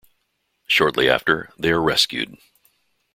Shortly after, they are rescued.